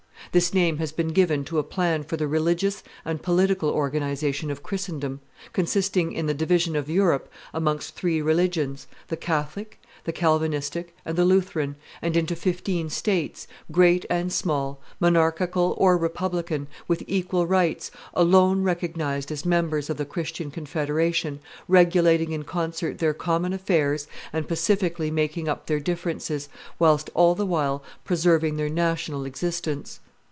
This name has been given to a plan for the religious and political organization of Christendom, consisting in the division of Europe amongst three religions, the Catholic, the Calvinistic, and the Lutheran, and into fifteen states, great and small, monarchical or republican, with equal rights, alone recognized as members of the Christian confederation, regulating in concert their common affairs, and pacifically making up their differences, whilst all the while preserving their national existence.